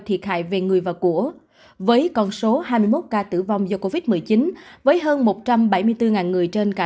thiệt hại về người và của với con số hai mươi một ca tử vong do covid một mươi chín với hơn một trăm bảy mươi bốn người trên cả